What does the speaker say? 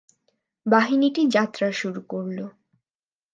বাহিনীটি যাত্রা শুরু করল।